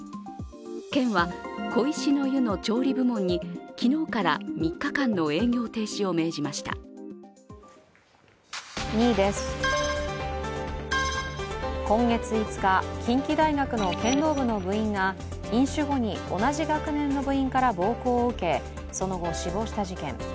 県は、小石の湯の調理部門に昨日から３日間の３日間の営業停止を命じました２位です、今月５日近畿大学の剣道部の部員が飲酒後に同じ学年の部員から暴行を受け、その後、死亡した事件。